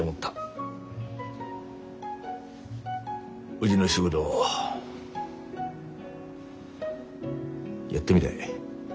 うぢの仕事やってみだい。